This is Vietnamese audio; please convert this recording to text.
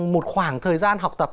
một khoảng thời gian học tập